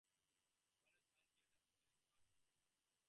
Wells ran the theater for its first seven years.